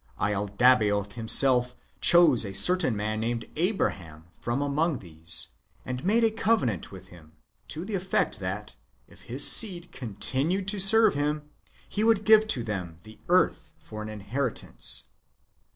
lalda baoth himself chose a certain man named Abraham from among these, and made a covenant with him, to the effect that, if his seed continued to serve him, he would give to them the earth for an inheritance.